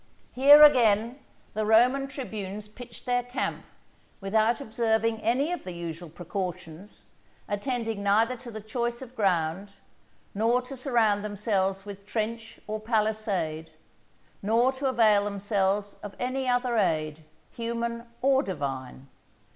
Here, again, the Roman tribunes pitched their camp without observing any of the usual precautions, attending neither to the choice of ground, nor to surround themselves with trench or Palisade, nor to avail themselves of any other aid, human or Divine.